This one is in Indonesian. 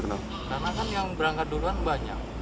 karena kan yang berangkat duluan banyak